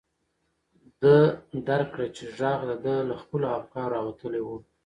ده درک کړه چې غږ د ده له خپلو افکارو راوتلی و.